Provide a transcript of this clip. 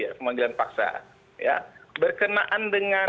ya tetap berkenaan dengan